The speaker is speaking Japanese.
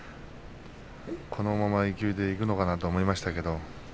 このままの勢いでいくのかと思いましたけれども。